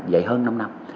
vậy hơn năm năm